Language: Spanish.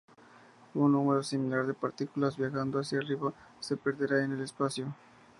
Un número similar de partículas, viajando hacia arriba, se perderá en el espacio.